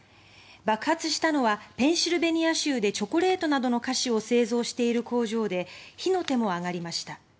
爆発したのはペンシルベニア州でチョコレートなどの菓子を製造している工場で火の手も上がりました。